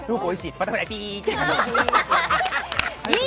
バタフライピーって感じです。